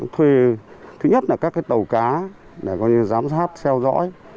thứ nhất là các cái tàu cá để giám sát theo dõi